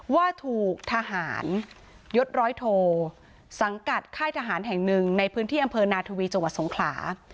ว่าถูกทหารยศร้อยโทสังกัดค่ายทหารแห่งหนึ่งในพื้นที่อำเภอนาทวีจังหวัดสงขลา